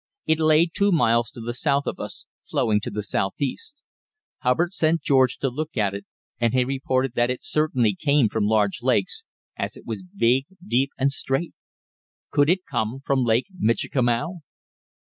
It lay two miles to the south of us, flowing to the southeast. Hubbard sent George to look at it, and he reported that it certainly came from large lakes, as it was big, deep and straight. Could it come from Lake Michikamau?